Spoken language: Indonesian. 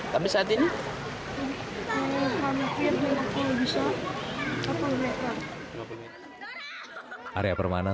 seperti apa aja